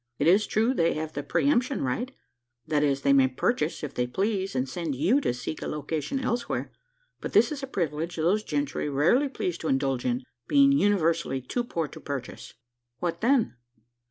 It is true, they have the pre emption right that is, they may purchase, if they please, and send you to seek a location elsewhere; but this is a privilege those gentry rarely please to indulge in being universally too poor to purchase." "What then?"